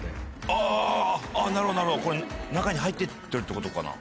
あぁなるほどこれ中に入ってってるってことかな？